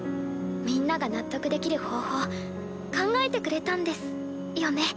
みんなが納得できる方法考えてくれたんですよね？